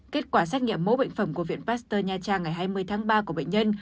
kết quả xét nghiệm mẫu bệnh phẩm của viện pasteur nha trang ngày hai mươi tháng ba của bệnh nhân